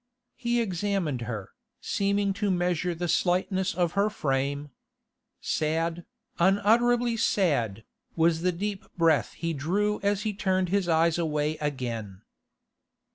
He examined her, seeming to measure the slightness of her frame. Sad, unutterably sad, was the deep breath he drew as he turned his eyes away again.